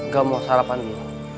gak mau sarapan ya